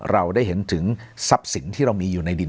เราได้เห็นถึงทรัพย์สินที่เรามีอยู่ในดิน